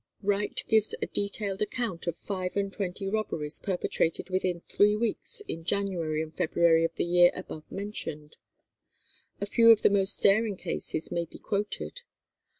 Wright gives a detailed account of five and twenty robberies perpetrated within three weeks in January and February of the year above mentioned. A few of the most daring cases may be quoted.